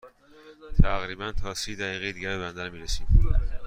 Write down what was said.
تقریباً تا سی دقیقه دیگر به بندر می رسیم.